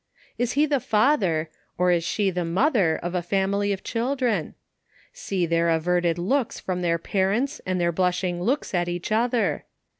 Is he the father, or is she the mother of a family of children ? See their averted looks from their parent, and their blushing looks at each other